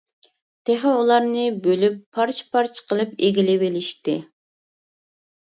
تېخى ئۇلارنى بۆلۈپ پارچە-پارچە قىلىپ ئىگىلىۋېلىشتى.